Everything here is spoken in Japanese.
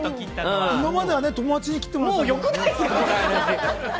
今までは友達に切ってもらってたんだよね？